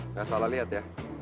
saya salah lihat ya